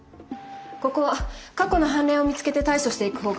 ここは過去の判例を見つけて対処していく方が。